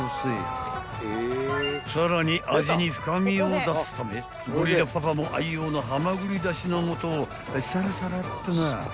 ［さらに味に深みを出すためゴリラパパも愛用のはまぐりだしの素をさらさらっとな］